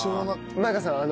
前川さん